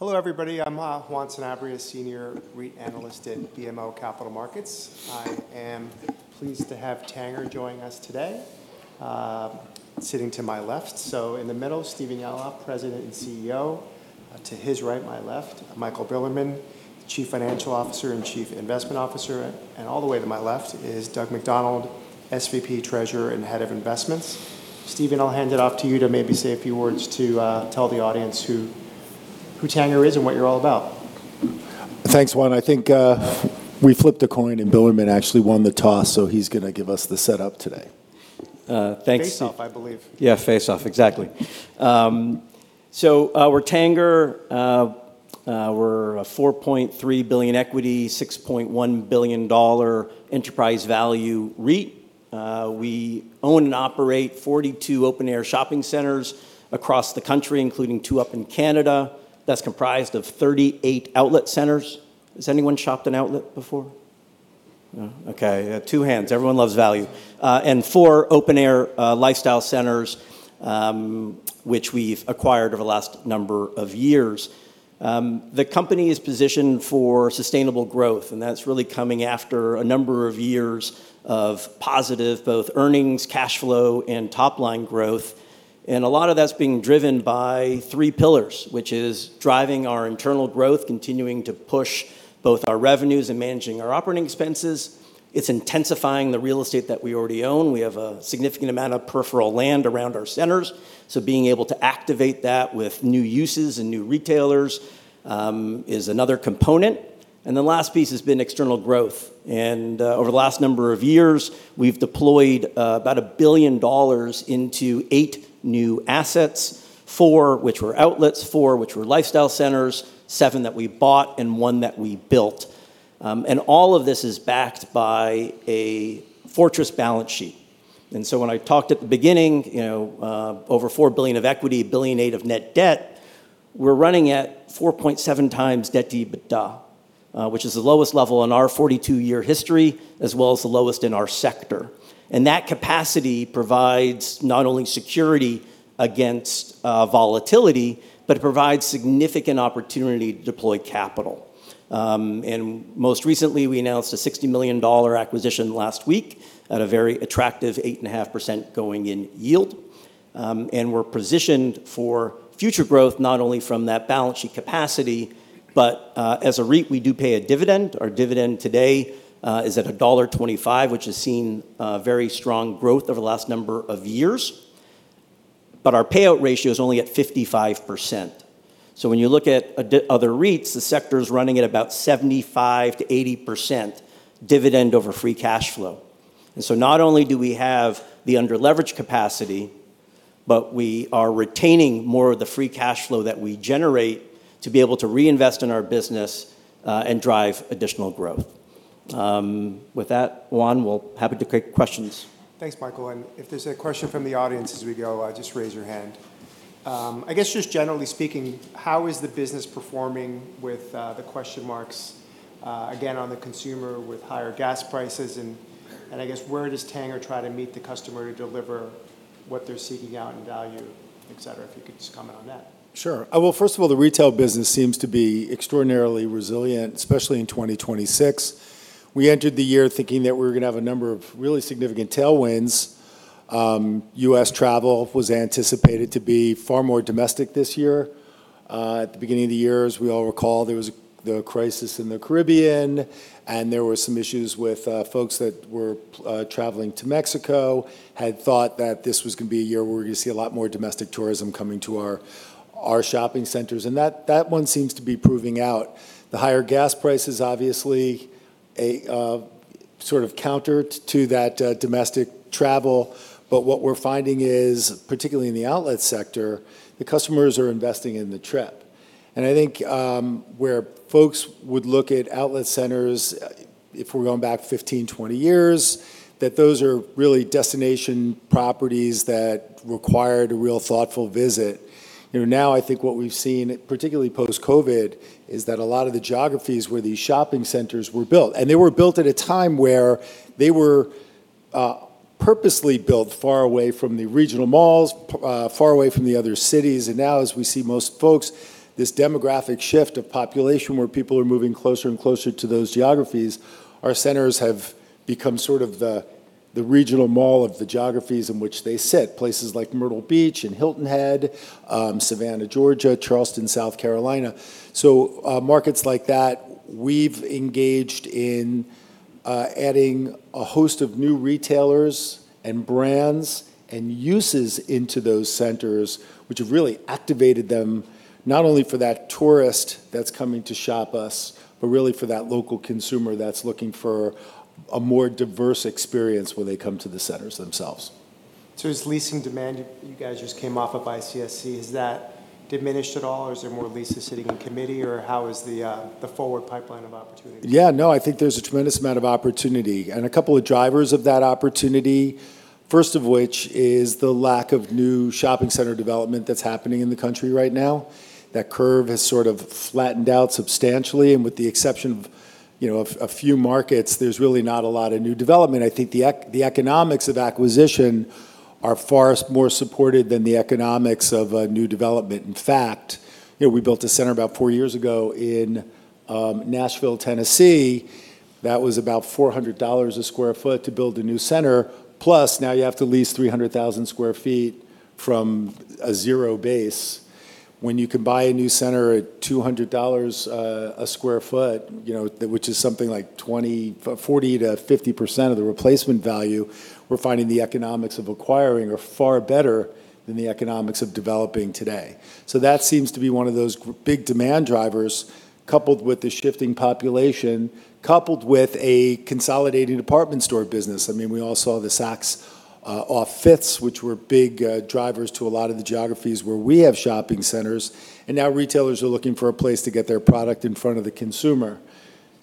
Hello, everybody. I'm Juan Sanabria, senior REIT analyst at BMO Capital Markets. I am pleased to have Tanger joining us today, sitting to my left. In the middle, Stephen Yalof, President and CEO. To his right, my left, Michael Bilerman, Chief Financial Officer and Chief Investment Officer. All the way to my left is Doug McDonald, SVP, Treasurer and Head of Investments. Stephen, I'll hand it off to you to maybe say a few words to tell the audience who Tanger is and what you're all about. Thanks, Juan. I think we flipped a coin, and Bilerman actually won the toss, so he's going to give us the setup today. Thanks- Face off, I believe. Yeah, face off, exactly. We're Tanger. We're a $4.3 billion equity, $6.1 billion enterprise value REIT. We own and operate 42 open-air shopping centers across the country, including two up in Canada. That's comprised of 38 outlet centers. Has anyone shopped an outlet before? No? Okay. Two hands. Everyone loves value. Four open-air lifestyle centers, which we've acquired over the last number of years. The company is positioned for sustainable growth, and that's really coming after a number of years of positive both earnings, cash flow, and top-line growth. A lot of that's being driven by three pillars, which is driving our internal growth, continuing to push both our revenues and managing our operating expenses. It's intensifying the real estate that we already own. We have a significant amount of peripheral land around our centers, so being able to activate that with new uses and new retailers is another component. The last piece has been external growth. Over the last number of years, we've deployed about $1 billion into eight new assets, four which were outlets, four which were lifestyle centers, seven that we bought, and one that we built. All of this is backed by a fortress balance sheet. When I talked at the beginning, over $4 billion of equity, $1.8 billion of net debt, we're running at 4.7x debt to EBITDA, which is the lowest level in our 42-year history, as well as the lowest in our sector. That capacity provides not only security against volatility, but it provides significant opportunity to deploy capital. Most recently, we announced a $60 million acquisition last week at a very attractive 8.5% going in yield. We're positioned for future growth, not only from that balance sheet capacity, but as a REIT, we do pay a dividend. Our dividend today is at $1.25, which has seen very strong growth over the last number of years. Our payout ratio is only at 55%. When you look at other REITs, the sector is running at about 75%-80% dividend over free cash flow. Not only do we have the under-leveraged capacity, but we are retaining more of the free cash flow that we generate to be able to reinvest in our business, and drive additional growth. With that, Juan, we're happy to take questions. Thanks, Michael. If there's a question from the audience as we go, just raise your hand. I guess just generally speaking, how is the business performing with the question marks, again, on the consumer with higher gas prices and I guess where does Tanger try to meet the customer to deliver what they're seeking out in value, et cetera? If you could just comment on that. Sure. Well, first of all, the retail business seems to be extraordinarily resilient, especially in 2026. We entered the year thinking that we were going to have a number of really significant tailwinds. U.S. travel was anticipated to be far more domestic this year. At the beginning of the year, as we all recall, there was the crisis in the Caribbean, and there were some issues with folks that were traveling to Mexico, had thought that this was going to be a year where we're going to see a lot more domestic tourism coming to our shopping centers, and that one seems to be proving out. The higher gas prices, obviously, a sort of counter to that domestic travel. What we're finding is, particularly in the outlet sector, the customers are investing in the trip. I think where folks would look at outlet centers, if we're going back 15-20 years, that those are really destination properties that required a real thoughtful visit. I think what we've seen, particularly post-COVID, is that a lot of the geographies where these shopping centers were built, and they were built at a time where they were purposely built far away from the regional malls, far away from the other cities. Now, as we see most folks, this demographic shift of population where people are moving closer and closer to those geographies, our centers have become sort of the regional mall of the geographies in which they sit. Places like Myrtle Beach and Hilton Head, Savannah, Georgia, Charleston, South Carolina. Markets like that, we've engaged in adding a host of new retailers and brands and uses into those centers, which have really activated them, not only for that tourist that's coming to shop us, but really for that local consumer that's looking for a more diverse experience when they come to the centers themselves. Is leasing demand, you guys just came off of ICSC, is that diminished at all, or is there more leases sitting in committee, or how is the forward pipeline of opportunity looking? Yeah, no, I think there's a tremendous amount of opportunity. A couple of drivers of that opportunity, first of which is the lack of new shopping center development that's happening in the country right now. That curve has sort of flattened out substantially, with the exception of a few markets, there's really not a lot of new development. I think the economics of acquisition are far more supported than the economics of a new development. In fact, we built a center about four years ago in Nashville, Tennessee, that was about $400 a sq ft to build a new center. Plus, now you have to lease 300,000 sq ft from a zero base when you can buy a new center at $200 a sq ft, which is something like 40%-50% of the replacement value. We're finding the economics of acquiring are far better than the economics of developing today. That seems to be one of those big demand drivers, coupled with the shifting population, coupled with a consolidating department store business. We all saw the Saks OFF 5THs, which were big drivers to a lot of the geographies where we have shopping centers, and now retailers are looking for a place to get their product in front of the consumer.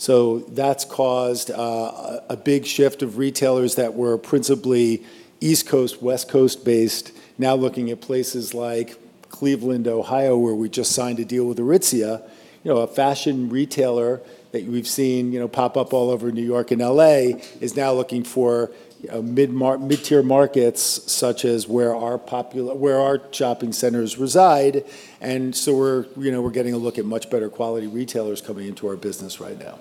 That's caused a big shift of retailers that were principally East Coast, West Coast-based, now looking at places like Cleveland, Ohio, where we just signed a deal with Aritzia. A fashion retailer that we've seen pop up all over New York and L.A. is now looking for mid-tier markets, such as where our shopping centers reside. We're getting a look at much better quality retailers coming into our business right now.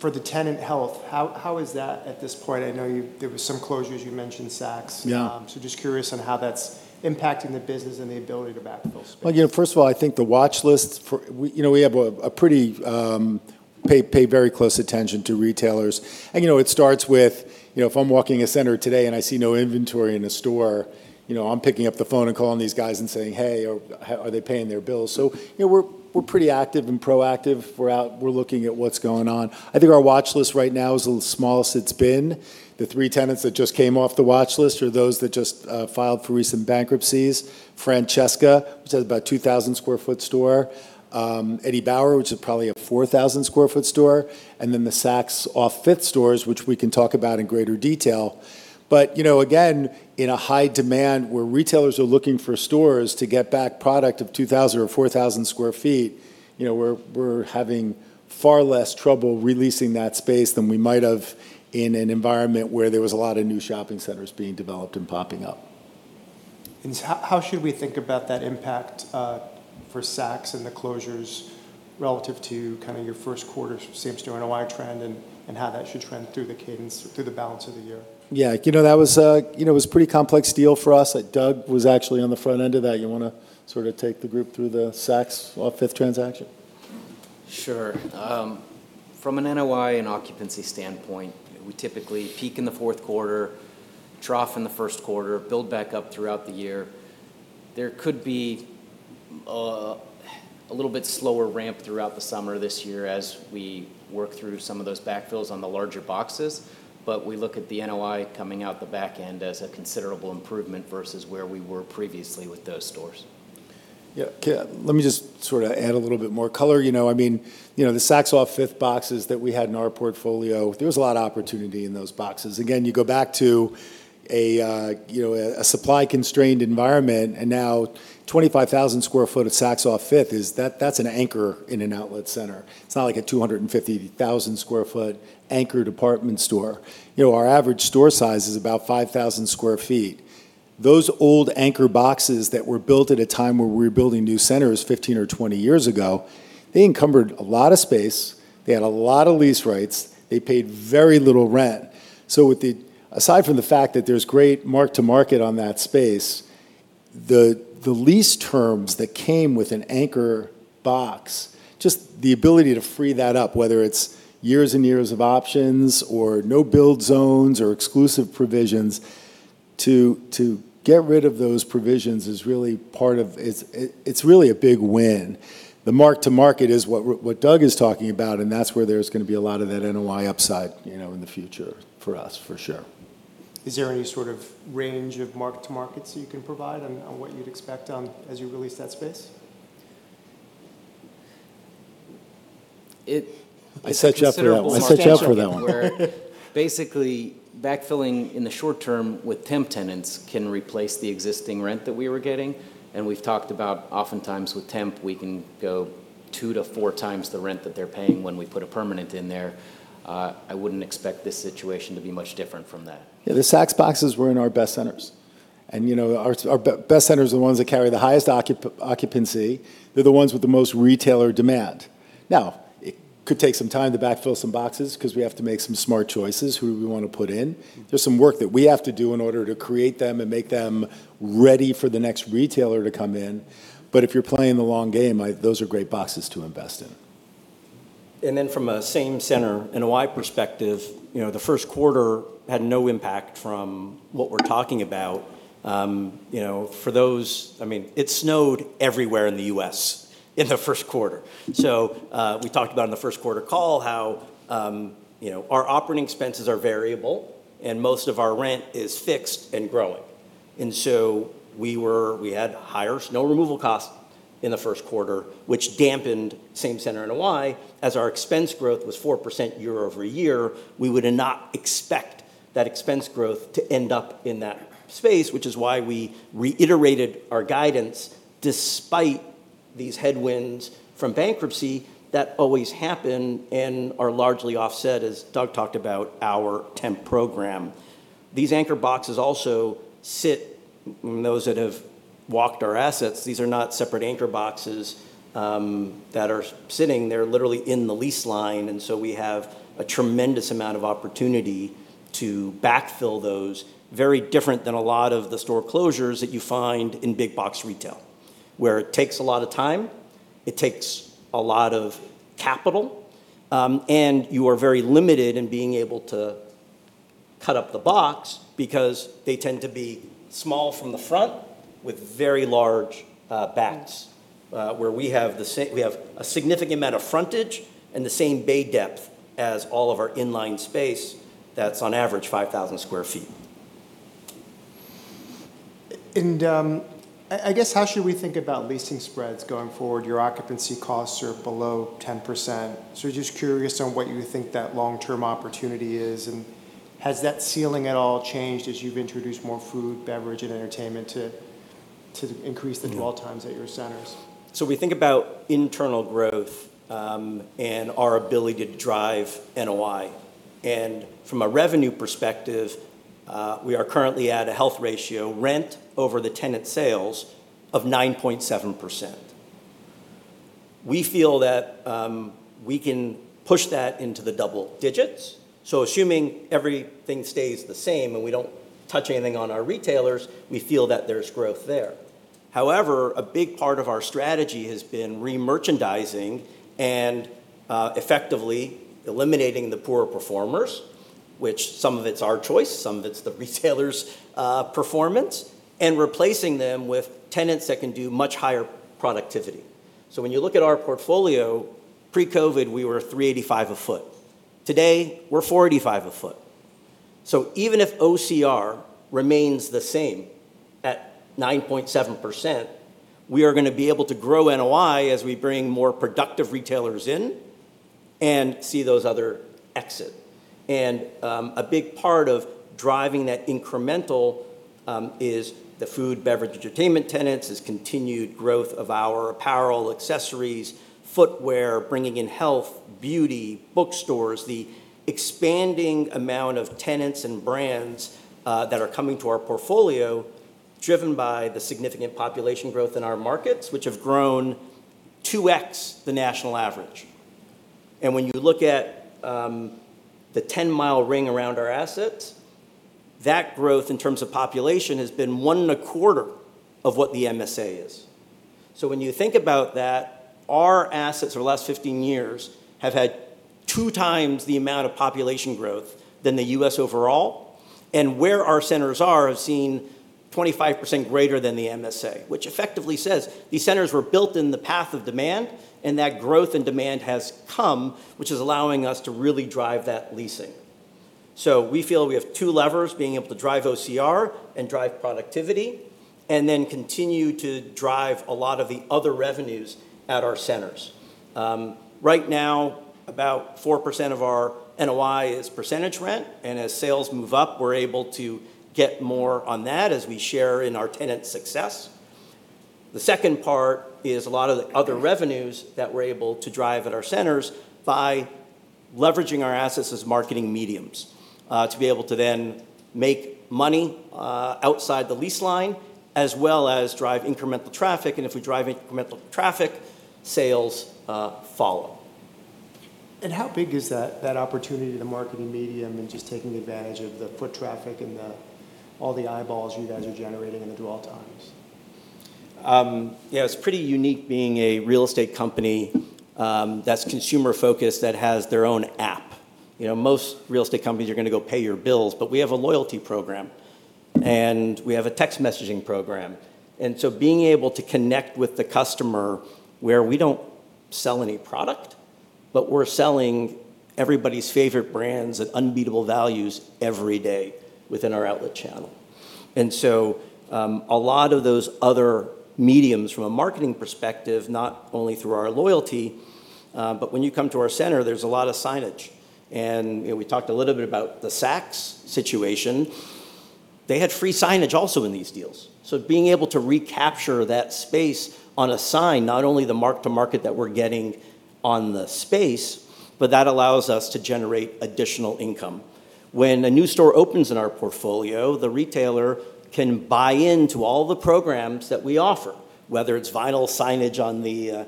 For the tenant health, how is that at this point? I know there was some closures. You mentioned Saks. Yeah. Just curious on how that's impacting the business and the ability to backfill space. Well, first of all, I think the watch list, we pay very close attention to retailers. It starts with if I'm walking a center today and I see no inventory in a store, I'm picking up the phone and calling these guys and saying, "Hey, are they paying their bills?" We're pretty active and proactive. We're out. We're looking at what's going on. I think our watch list right now is the smallest it's been. The three tenants that just came off the watch list are those that just filed for recent bankruptcies. Francesca, which has about a 2,000 sq ft store. Eddie Bauer, which is probably a 4,000 sq ft store, and then the Saks OFF 5TH stores, which we can talk about in greater detail. Again, in a high demand where retailers are looking for stores to get back product of 2,000 or 4,000 sq ft, we're having far less trouble re-leasing that space than we might have in an environment where there was a lot of new shopping centers being developed and popping up. How should we think about that impact for Saks and the closures relative to your first quarter same store NOI trend and how that should trend through the cadence, through the balance of the year? Yeah. It was a pretty complex deal for us that Doug was actually on the front end of that. You want to sort of take the group through the Saks OFF 5TH transaction? Sure. From an NOI and occupancy standpoint, we typically peak in the fourth quarter, trough in the first quarter, build back up throughout the year. There could be a little bit slower ramp throughout the summer this year as we work through some of those backfills on the larger boxes. We look at the NOI coming out the back end as a considerable improvement versus where we were previously with those stores. Let me just sort of add a little bit more color. The Saks OFF 5TH boxes that we had in our portfolio, there was a lot of opportunity in those boxes. You go back to a supply-constrained environment, now 25,000 sq ft of Saks OFF 5TH, that's an anchor in an outlet center. It's not like a 250,000 sq ft anchor department store. Our average store size is about 5,000 sq ft. Those old anchor boxes that were built at a time where we were building new centers 15 or 20 years ago, they encumbered a lot of space. They had a lot of lease rights. They paid very little rent. Aside from the fact that there's great mark-to-market on that space, the lease terms that came with an anchor box, just the ability to free that up, whether it's years-and-years of options or no-build zones or exclusive provisions, to get rid of those provisions, it's really a big win. The mark-to-market is what Doug is talking about, and that's where there's going to be a lot of that NOI upside in the future for us, for sure. Is there any sort of range of mark-to-market you can provide on what you'd expect as you release that space? I set you up for that one. Backfilling in the short term with temp tenants can replace the existing rent that we were getting, and we've talked about oftentimes with temp, we can go two to four times the rent that they're paying when we put a permanent in there. I wouldn't expect this situation to be much different from that. Yeah, the Saks boxes were in our best centers. Our best centers are the ones that carry the highest occupancy. They're the ones with the most retailer demand. Now, it could take some time to backfill some boxes because we have to make some smart choices who we want to put in. There's some work that we have to do in order to create them and make them ready for the next retailer to come in. If you're playing the long game, those are great boxes to invest in. From a same-center NOI perspective, the first quarter had no impact from what we're talking about. It snowed everywhere in the U.S. in the first quarter. We talked about in the first quarter call how our operating expenses are variable and most of our rent is fixed and growing. We had higher snow removal costs in the first quarter, which dampened same-center NOI. As our expense growth was 4% year-over-year, we would not expect that expense growth to end up in that space, which is why we reiterated our guidance despite these headwinds from bankruptcy that always happen and are largely offset, as Doug talked about, our temp program. These anchor boxes also sit, those that have walked our assets, these are not separate anchor boxes that are sitting there literally in the lease line. We have a tremendous amount of opportunity to backfill those, very different than a lot of the store closures that you find in big box retail, where it takes a lot of time, it takes a lot of capital, and you are very limited in being able to cut up the box because they tend to be small from the front with very large backs, where we have a significant amount of frontage and the same bay depth as all of our in-line space that's on average 5,000 sq ft. I guess how should we think about leasing spreads going forward? Your occupancy costs are below 10%. Just curious on what you think that long-term opportunity is, and has that ceiling at all changed as you've introduced more food, beverage, and entertainment? Dwell times at your centers? We think about internal growth, and our ability to drive NOI. From a revenue perspective, we are currently at a health ratio rent over the tenant sales of 9.7%. We feel that we can push that into the double digits. Assuming everything stays the same and we don't touch anything on our retailers, we feel that there's growth there. However, a big part of our strategy has been remerchandising and effectively eliminating the poorer performers, which some of it's our choice, some of it's the retailer's performance, and replacing them with tenants that can do much higher productivity. When you look at our portfolio, pre-COVID, we were 385 a foot. Today, we're 485 a foot. Even if OCR remains the same at 9.7%, we are going to be able to grow NOI as we bring more productive retailers in and see those other exit. A big part of driving that incremental is the food, beverage, entertainment tenants, is continued growth of our apparel, accessories, footwear, bringing in health, beauty, bookstores, the expanding amount of tenants and brands that are coming to our portfolio driven by the significant population growth in our markets, which have grown 2x the national average. When you look at the 10 mi ring around our assets, that growth in terms of population has been one and a quarter of what the MSA is. When you think about that, our assets for the last 15 years have had 2x the amount of population growth than the U.S. overall, and where our centers are have seen 25% greater than the MSA, which effectively says these centers were built in the path of demand, and that growth and demand has come, which is allowing us to really drive that leasing. We feel we have two levers, being able to drive OCR and drive productivity, and then continue to drive a lot of the other revenues at our centers. Right now, about 4% of our NOI is percentage rent, and as sales move up, we're able to get more on that as we share in our tenants' success. The second part is a lot of the other revenues that we're able to drive at our centers by leveraging our assets as marketing mediums, to be able to then make money outside the lease line, as well as drive incremental traffic. If we drive incremental traffic, sales follow. How big is that opportunity, the marketing medium, and just taking advantage of the foot traffic and all the eyeballs you guys are generating in the dwell times? Yeah, it's pretty unique being a real estate company that's consumer-focused that has their own app. Most real estate companies you're going to go pay your bills, but we have a loyalty program, and we have a text messaging program. Being able to connect with the customer where we don't sell any product, but we're selling everybody's favorite brands at unbeatable values every day within our outlet channel. A lot of those other mediums from a marketing perspective, not only through our loyalty, but when you come to our center, there's a lot of signage. We talked a little bit about the Saks situation. They had free signage also in these deals. Being able to recapture that space on a sign, not only the mark-to-market that we're getting on the space, but that allows us to generate additional income. When a new store opens in our portfolio, the retailer can buy into all the programs that we offer, whether it's vinyl signage on the,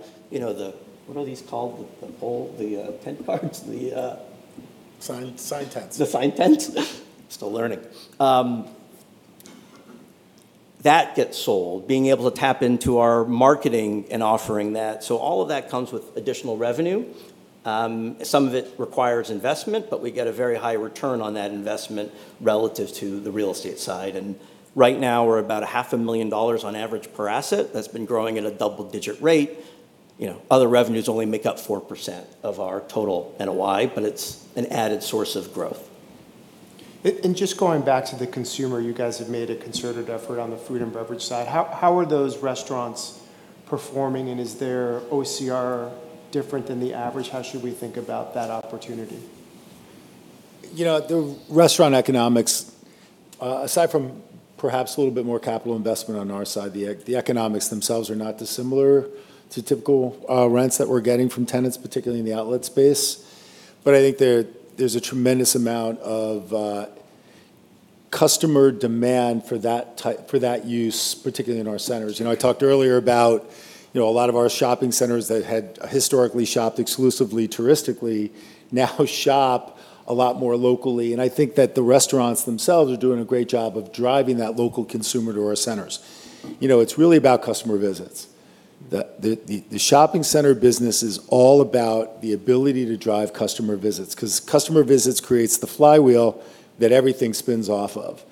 what are these called? The pole? The tent cards? Sign tents. The sign tents. Still learning. That gets sold, being able to tap into our marketing and offering that. All of that comes with additional revenue. Some of it requires investment, but we get a very high return on that investment relative to the real estate side. Right now we're about half a million dollar on average per asset. That's been growing at a double-digit rate. Other revenues only make up 4% of our total NOI, but it's an added source of growth. Just going back to the consumer, you guys have made a concerted effort on the food and beverage side. How are those restaurants performing, and is their OCR different than the average? How should we think about that opportunity? The restaurant economics, aside from perhaps a little bit more capital investment on our side, the economics themselves are not dissimilar to typical rents that we're getting from tenants, particularly in the outlet space. I think there's a tremendous amount of customer demand for that use, particularly in our centers. I talked earlier about a lot of our shopping centers that had historically shopped exclusively touristically now shop a lot more locally. I think that the restaurants themselves are doing a great job of driving that local consumer to our centers. It's really about customer visits. The shopping center business is all about the ability to drive customer visits, because customer visits creates the flywheel that everything spins off of.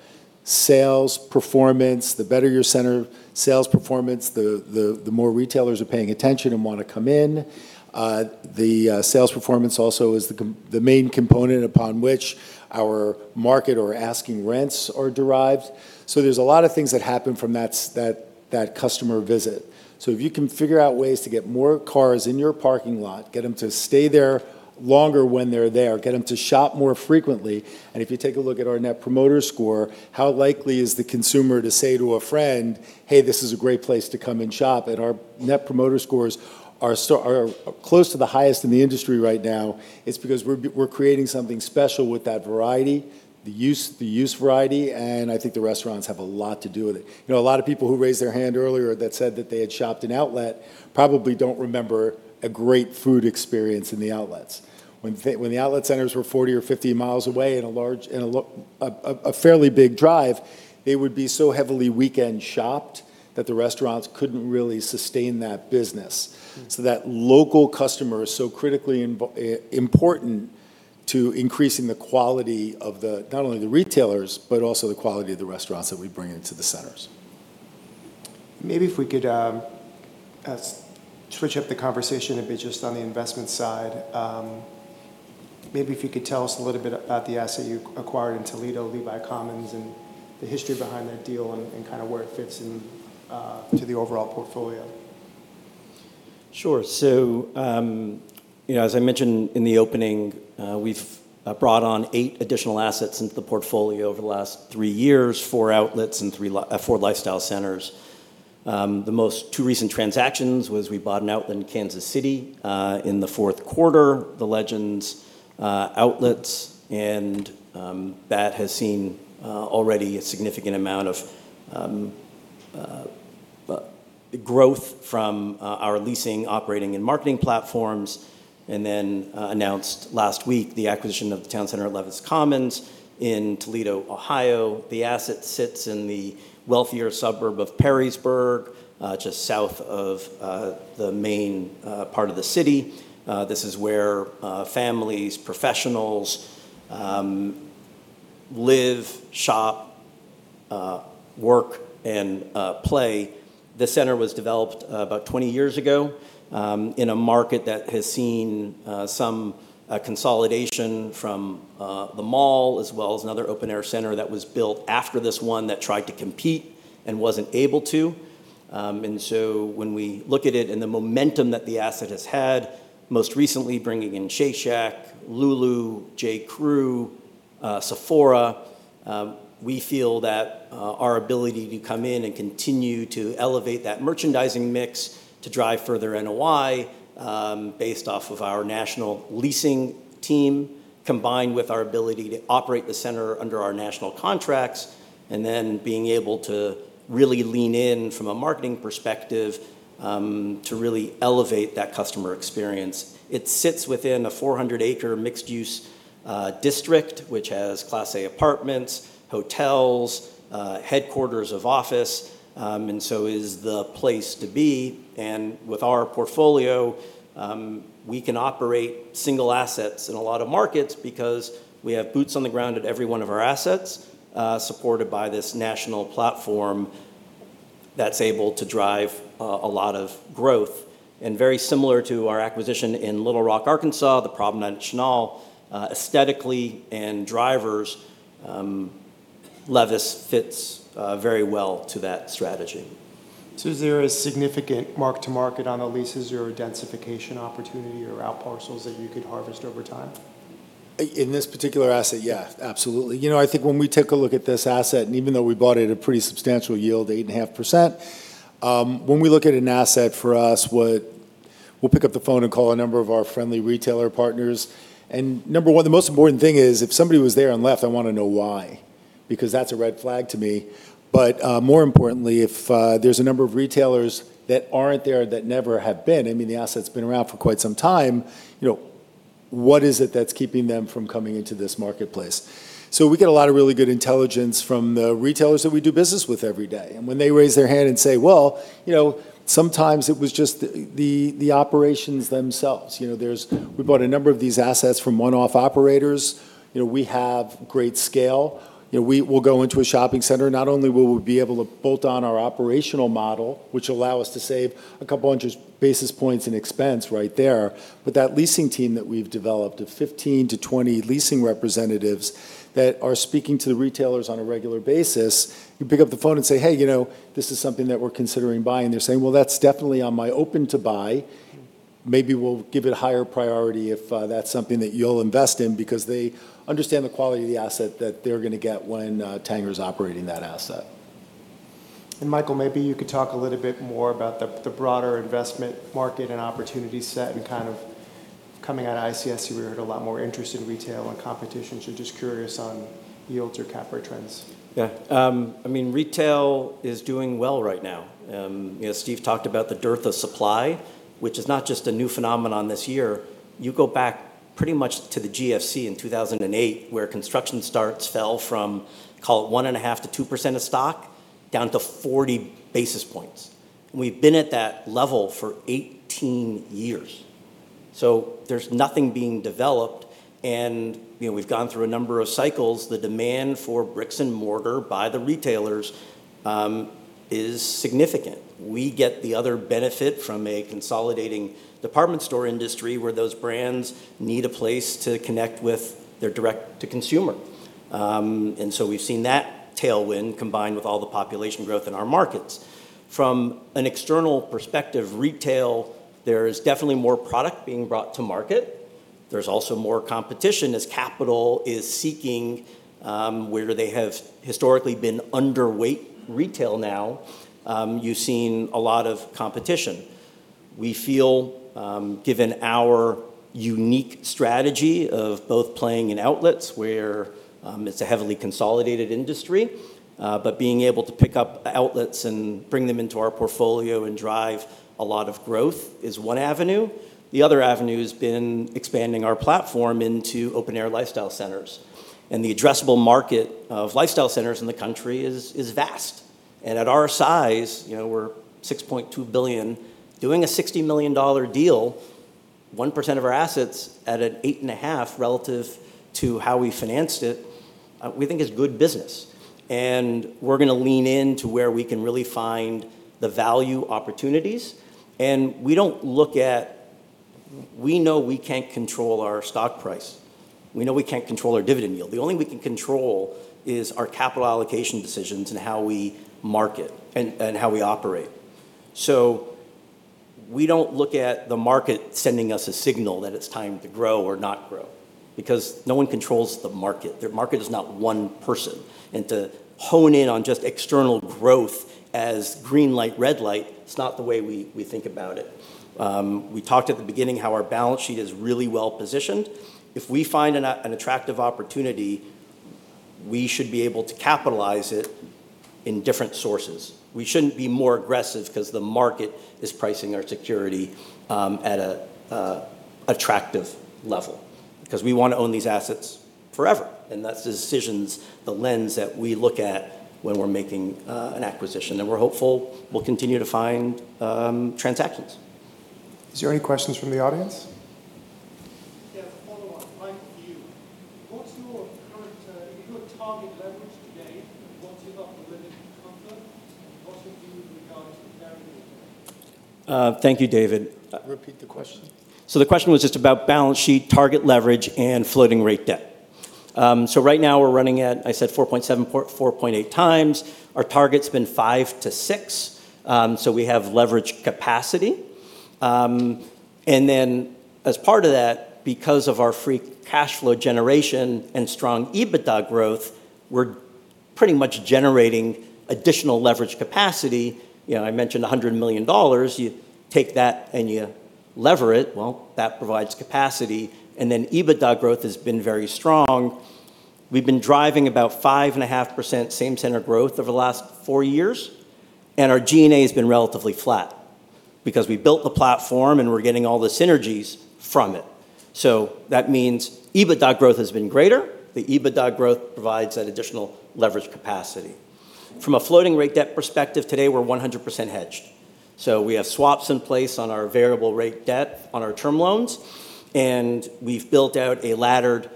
Sales performance, the better your center sales performance, the more retailers are paying attention and want to come in. The sales performance also is the main component upon which our market or asking rents are derived. There's a lot of things that happen from that customer visit. If you can figure out ways to get more cars in your parking lot, get them to stay there longer when they're there, get them to shop more frequently, and if you take a look at our Net Promoter Score, how likely is the consumer to say to a friend, "Hey, this is a great place to come and shop." Our Net Promoter Scores are close to the highest in the industry right now. It's because we're creating something special with that variety, the use variety, and I think the restaurants have a lot to do with it. A lot of people who raised their hand earlier that said that they had shopped in outlet probably don't remember a great food experience in the outlets. When the outlet centers were 40 or 50 mi away in a fairly big drive, it would be so heavily weekend-shopped that the restaurants couldn't really sustain that business. That local customer is so critically important to increasing the quality of not only the retailers, but also the quality of the restaurants that we bring into the centers. Maybe if we could switch up the conversation a bit just on the investment side. Maybe if you could tell us a little bit about the asset you acquired in Toledo, Levis Commons, and the history behind that deal and where it fits into the overall portfolio. As I mentioned in the opening, we've brought on eight additional assets into the portfolio over the last three years, four outlets and four lifestyle centers. The two most recent transactions was we bought an outlet in Kansas City, in the fourth quarter, The Legends Outlets, that has seen already a significant amount of growth from our leasing, operating, and marketing platforms. Announced last week the acquisition of The Town Center at Levis Commons in Toledo, Ohio. The asset sits in the wealthier suburb of Perrysburg, just south of the main part of the city. This is where families, professionals, live, shop, work, and play. The center was developed about 20 years ago in a market that has seen some consolidation from the mall, as well as another open-air center that was built after this one that tried to compete and wasn't able to. When we look at it and the momentum that the asset has had, most recently bringing in Shake Shack, Lulu, J.Crew, Sephora, we feel that our ability to come in and continue to elevate that merchandising mix to drive further NOI, based off of our national leasing team, combined with our ability to operate the center under our national contracts, and then being able to really lean in from a marketing perspective, to really elevate that customer experience. It sits within a 400 acre mixed-use district, which has class A apartments, hotels, headquarters of office, is the place to be. With our portfolio, we can operate single assets in a lot of markets because we have boots on the ground at every one of our assets, supported by this national platform that's able to drive a lot of growth. Very similar to our acquisition in Little Rock, Arkansas, The Promenade at Chenal, aesthetically and drivers, Levis Commons fits very well to that strategy. Is there a significant mark-to-market on the leases or a densification opportunity or outparcels that you could harvest over time? In this particular asset, yeah, absolutely. I think when we take a look at this asset, even though we bought it at a pretty substantial yield, 8.5%, when we look at an asset for us, we'll pick up the phone and call a number of our friendly retailer partners. Number one, the most important thing is if somebody was there and left, I want to know why, because that's a red flag to me. More importantly, if there's a number of retailers that aren't there that never have been, the asset's been around for quite some time, what is it that's keeping them from coming into this marketplace? We get a lot of really good intelligence from the retailers that we do business with every day. When they raise their hand and say, well, sometimes it was just the operations themselves. We bought a number of these assets from one-off operators. We have great scale. We'll go into a shopping center, not only will we be able to bolt on our operational model, which allow us to save a couple 100 basis points in expense right there, but that leasing team that we've developed of 15-20 leasing representatives that are speaking to the retailers on a regular basis, you pick up the phone and say, "Hey, this is something that we're considering buying." They're saying, "Well, that's definitely on my open-to-buy. Maybe we'll give it a higher priority if that's something that you'll invest in, because they understand the quality of the asset that they're going to get when Tanger's operating that asset. Michael, maybe you could talk a little bit more about the broader investment market and opportunity set and kind of coming out of ICSC, we heard a lot more interest in retail and competition, so just curious on yields or cap rate trends. Yeah. Retail is doing well right now. Steve talked about the dearth of supply, which is not just a new phenomenon this year. You go back pretty much to the GFC in 2008, where construction starts fell from, call it 1.5%-2% of stock, down to 40 basis points. We've been at that level for 18 years. There's nothing being developed and we've gone through a number of cycles. The demand for bricks and mortar by the retailers is significant. We get the other benefit from a consolidating department store industry where those brands need a place to connect with their direct to consumer. We've seen that tailwind combine with all the population growth in our markets. From an external perspective, retail, there is definitely more product being brought to market. There's also more competition as capital is seeking where they have historically been underweight retail now. You've seen a lot of competition. We feel, given our unique strategy of both playing in outlets where it's a heavily consolidated industry, but being able to pick up outlets and bring them into our portfolio and drive a lot of growth is one avenue. The other avenue has been expanding our platform into open-air lifestyle centers. The addressable market of lifestyle centers in the country is vast. At our size, we're $6.2 billion, doing a $60 million deal, 1% of our assets at an 8.5 relative to how we financed it, we think is good business. We're going to lean into where we can really find the value opportunities. We know we can't control our stock price. We know we can't control our dividend yield. The only thing we can control is our capital allocation decisions and how we market, and how we operate. We don't look at the market sending us a signal that it's time to grow or not grow, because no one controls the market. The market is not one person. To hone in on just external growth as green light, red light, it's not the way we think about it. We talked at the beginning how our balance sheet is really well-positioned. If we find an attractive opportunity, we should be able to capitalize it in different sources. We shouldn't be more aggressive because the market is pricing our security at an attractive level, because we want to own these assets forever, and that's the decisions, the lens that we look at when we're making an acquisition. We're hopeful we'll continue to find transactions. Is there any questions from the audience? Yeah, a follow on Mike, for you. What's your current target leverage today, and what's your upper limit for comfort? What's your view with regards to variable debt? Thank you, David. Repeat the question. The question was just about balance sheet target leverage and floating rate debt. Right now we're running at, I is 4.7, 4.8x. Our target's been five to six, so we have leverage capacity. As part of that, because of our free cash flow generation and strong EBITDA growth, we're pretty much generating additional leverage capacity. I mentioned $100 million. You take that and you lever it, well, that provides capacity. EBITDA growth has been very strong. We've been driving about 5.5% same-center growth over the last four years. Our G&A has been relatively flat because we built the platform and we're getting all the synergies from it. That means EBITDA growth has been greater. The EBITDA growth provides that additional leverage capacity. From a floating rate debt perspective today, we're 100% hedged. We have swaps in place on our variable rate debt on our term loans, and we've built out a laddered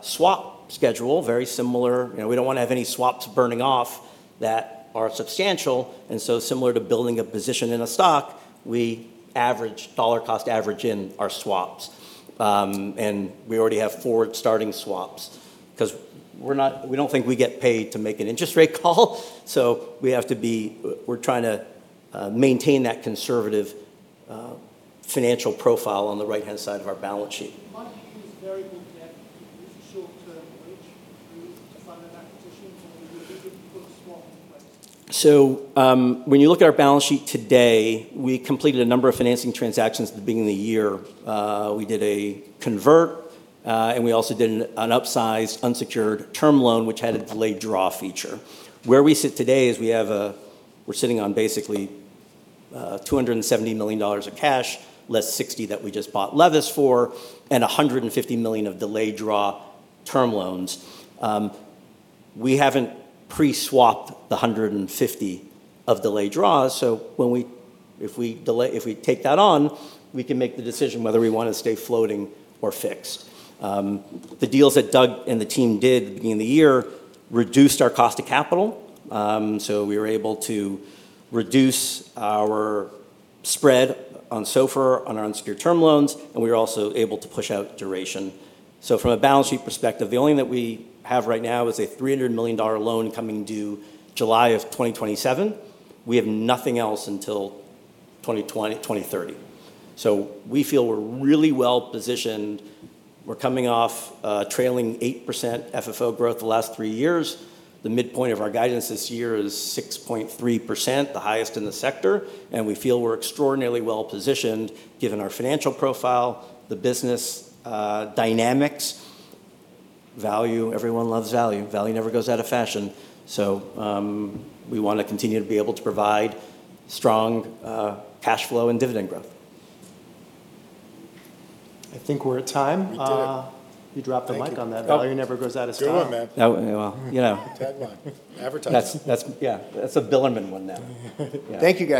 swap schedule, we don't want to have any swaps burning off that are substantial, similar to building a position in a stock, we dollar cost average in our swaps. We already have forward starting swaps because we don't think we get paid to make an interest rate call so we're trying to maintain that conservative financial profile on the right-hand side of our balance sheet. Mike, do you use variable debt, at least short term, which you use to fund an acquisition when you put a swap in place? When you look at our balance sheet today, we completed a number of financing transactions at the beginning of the year. We did a convert, and we also did an upsize unsecured term loan, which had a delayed draw feature. Where we sit today is we're sitting on basically $270 million of cash, less $60 that we just bought Levis for, and $150 million of delayed draw term loans. We haven't pre-swapped the $150 of delayed draws, if we take that on, we can make the decision whether we want to stay floating or fixed. The deals that Doug and the team did at the beginning of the year reduced our cost of capital, we were able to reduce our spread on SOFR, on our unsecured term loans, and we were also able to push out duration. From a balance sheet perspective, the only thing that we have right now is a $300 million loan coming due July of 2027. We have nothing else until 2030. We feel we're really well positioned. We're coming off trailing 8% FFO growth the last three years. The midpoint of our guidance this year is 6.3%, the highest in the sector, and we feel we're extraordinarily well positioned given our financial profile, the business dynamics. Value, everyone loves value. Value never goes out of fashion. We want to continue to be able to provide strong cash flow and dividend growth. I think we're at time. We did it. You dropped a mic on that. Thank you. Value never goes out of style. Good one, man. Oh, well. Tagline. Advertise it. Yeah. That's a Bilerman one now. Yeah. Thank you, guys.